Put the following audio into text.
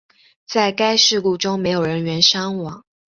在该事故中没有人员伤亡。